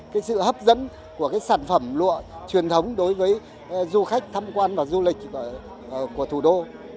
cái sự hấp dẫn của cái sản phẩm lụa truyền thống đối với du khách tham quan và du lịch của thủ đô